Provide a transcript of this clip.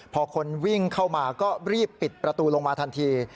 พอคนวิ่งเข้ามาก็รีบปิดประตูลงมาทันที